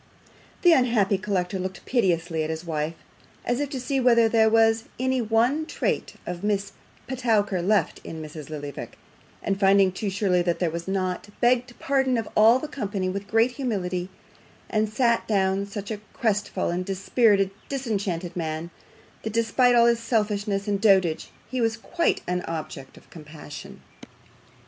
The unhappy collector looked piteously at his wife, as if to see whether there was any one trait of Miss Petowker left in Mrs. Lillyvick, and finding too surely that there was not, begged pardon of all the company with great humility, and sat down such a crest fallen, dispirited, disenchanted man, that despite all his selfishness and dotage, he was quite an object of compassion.